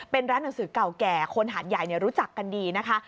เป็นร้านหนังสือเก่าแก่คนหาดใหญ่รู้จักกันดีนะคะ